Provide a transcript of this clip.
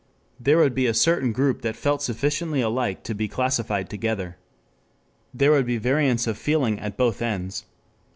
There would be a certain group that felt sufficiently alike to be classified together. There would be variants of feeling at both ends.